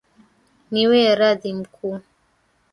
Niwie radhi mkuu.